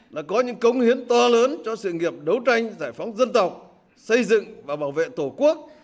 là có những công hiến to lớn cho sự nghiệp đấu tranh giải phóng dân tộc xây dựng và bảo vệ tổ quốc